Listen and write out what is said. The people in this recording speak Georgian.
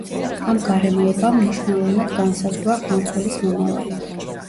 ამ გარემოებამ მნიშვნელოვნად განსაზღვრა ყმაწვილის მომავალი.